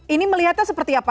ini melihatnya seperti apa